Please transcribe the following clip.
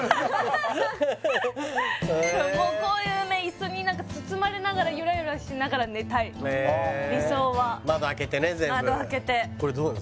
こういうね椅子に包まれながらゆらゆらしながら寝たいへえ理想は窓開けて窓開けてね全部これどう？